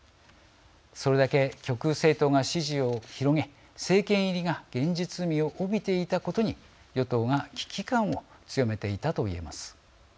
それだけ極右政党が支持を広げ政権入りが現実味を帯びていたことに与党が危機感を強めていたと言えます。